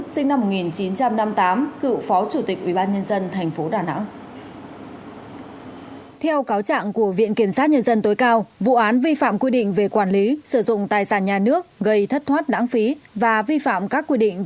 xin chào và hẹn gặp lại